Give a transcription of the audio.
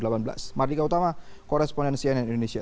mbah hardika utama koresponden cnn indonesia